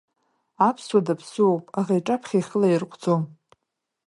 Аԥсуа даԥсуоуп, аӷа иҿаԥхьа ихы лаирҟәӡом.